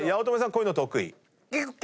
こういうの得意？